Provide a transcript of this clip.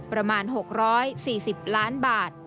ประมาณ๖๔๐ล้านบาท